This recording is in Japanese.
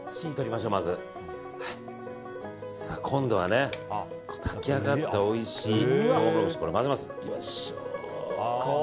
今度はね、焼き上がったおいしいトウモロコシこれを混ぜます。